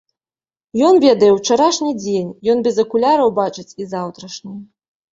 Ён ведае ўчарашні дзень, ён без акуляраў бачыць і заўтрашні.